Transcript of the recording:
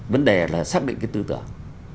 vấn đề là xác định cái tư tưởng